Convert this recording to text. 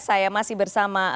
saya masih bersama